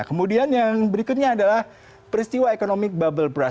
kemudian yang berikutnya adalah peristiwa ekonomi bubble brush